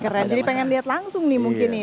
keren jadi pengen lihat langsung nih mungkin ya